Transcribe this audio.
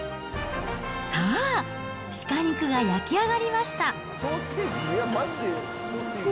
さあ、鹿肉が焼き上がりました。